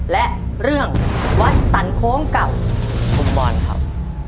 และเรื่องวัดสรรคงกับฟุตบอลครับ